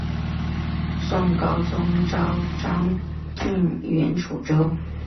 宋高宗诏张俊援楚州。